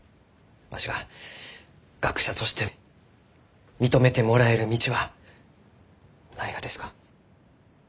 わしが学者として認めてもらえる道はないがですか？